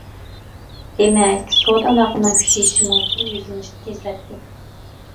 دېمەك، سودا-ئالاقىنىڭ كۈچىيىشىمۇ بۇ يۈزلىنىشنى تېزلەتتى.